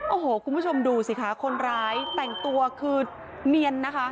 โอ้โหคุณผู้ชมดูสิคะคนร้ายแต่งตัวคือเนียนนะคะ